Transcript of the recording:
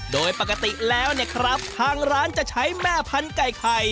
โดยปกติแล้วเนี่ยครับทางร้านจะใช้แม่พันธุไก่ไข่